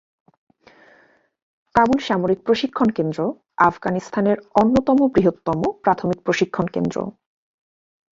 কাবুল সামরিক প্রশিক্ষণ কেন্দ্র আফগানিস্তানের অন্যতম বৃহত্তম প্রাথমিক প্রশিক্ষণ কেন্দ্র।